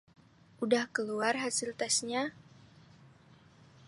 udah keluar hasil testnya?